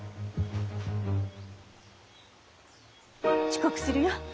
遅刻するよ。